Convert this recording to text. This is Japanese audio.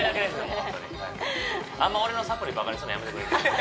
ホントにあんま俺のサプリばかにするのやめてくれる？